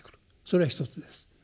それが１つです。